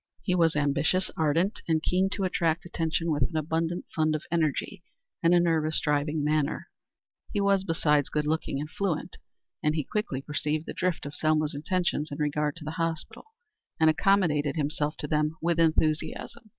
He was ambitious, ardent, and keen to attract attention, with an abundant fund of energy and a nervous, driving manner. He was, besides, good looking and fluent, and he quickly perceived the drift of Selma's intentions in regard to the hospital, and accommodated himself to them with enthusiasm.